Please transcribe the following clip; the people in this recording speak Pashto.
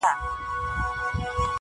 دا له هغه مرورو مرور دی,